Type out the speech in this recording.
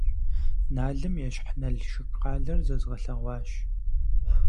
Налым ещхь Налшык къалэр зэзгъэлъэгъуащ.